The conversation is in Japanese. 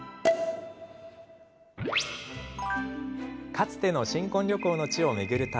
かつての新婚旅行の地を巡る旅。